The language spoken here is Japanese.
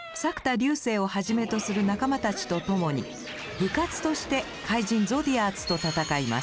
流星をはじめとする仲間たちと共に部活として怪人ゾディアーツと戦います。